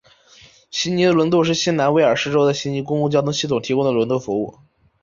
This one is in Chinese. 悉尼轮渡是新南威尔士州的悉尼公共交通系统提供的轮渡服务。